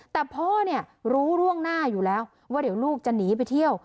แต่พ่อเนี่ยรู้ร่วงหน้าอยู่แล้วว่าเดี๋ยวลูกจะหนีไปเที่ยว